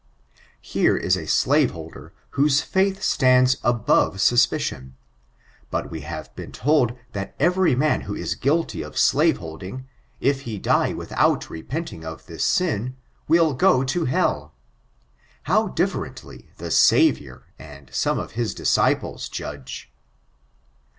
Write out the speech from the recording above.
Here is a slaveholder whose faith stands above suspicion. But we have been told that every man who is guilty of slaveholding, if he die without repenting of this sin, will go to hell ! How di£Eerently the Saviour and some of his disciples judge